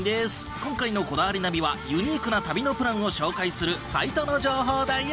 今回の『こだわりナビ』はユニークな旅のプランを紹介するサイトの情報だよ。